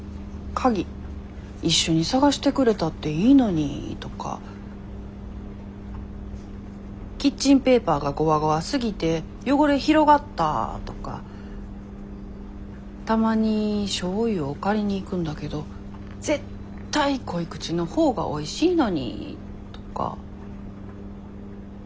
鍵一緒に捜してくれたっていいのにとかキッチンペーパーがゴワゴワすぎて汚れ広がったとかたまにしょうゆを借りに行くんだけど絶対濃口のほうがおいしいのにとか。